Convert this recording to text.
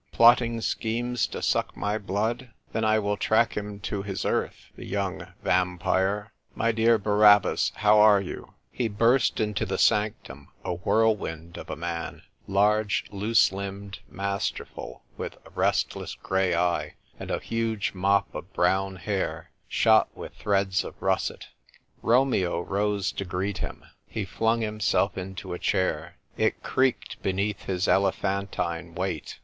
" Plotting schemes to suck my blood ? Then I will track him to his earth — the young vampire. My dear Barabbas, how are you ?" He burst into the sanctum, a whirlwind of a man — large, loose limbed, masterful, with a restless grey eye, and a huge mop of brown hair, shot with thread of russet. Romeo "NOW BARABBAS WAS A PUBLISHER." I47 rose to greet him. He flung himself into a chair. It creaked beneath his elephantine weight.